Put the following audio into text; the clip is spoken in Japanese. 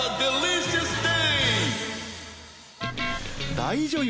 大女優